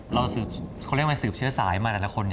สืบเขาเรียกว่าสืบเชื้อสายมาแต่ละคน